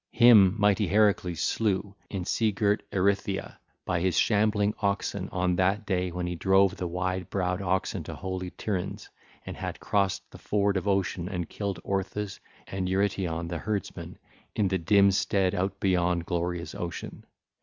Him mighty Heracles slew in sea girt Erythea by his shambling oxen on that day when he drove the wide browed oxen to holy Tiryns, and had crossed the ford of Ocean and killed Orthus and Eurytion the herdsman in the dim stead out beyond glorious Ocean.